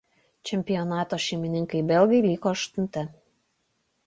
Čempionato šeimininkai belgai liko aštunti.